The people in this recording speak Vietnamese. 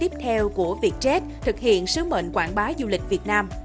tiếp theo của vietjet thực hiện sứ mệnh quảng bá du lịch việt nam